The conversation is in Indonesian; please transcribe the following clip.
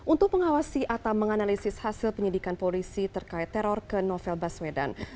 untuk mengawasi atau menganalisis hasil penyidikan polisi terkait teror ke novel baswedan